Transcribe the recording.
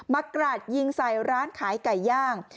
กราดยิงใส่ร้านขายไก่ย่าง